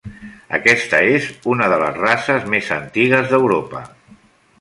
Aquesta és una de les races més antigues d'Europa.